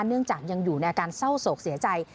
เนื่องจากยังอยู่ในอาการเศร้าโศกเสียใจ